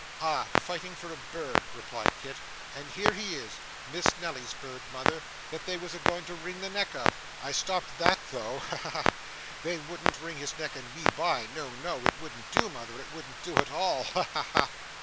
'Ah! Fightin' for a bird!' replied Kit, 'and here he is Miss Nelly's bird, mother, that they was agoin' to wring the neck of! I stopped that though ha ha ha! They wouldn't wring his neck and me by, no, no. It wouldn't do, mother, it wouldn't do at all. Ha ha ha!